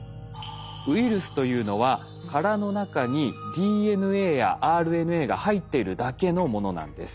ウイルスというのは殻の中にＤＮＡやＲＮＡが入っているだけのものなんです。